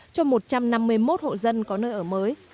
cho một trăm năm mươi một hộ dân có nơi ở mới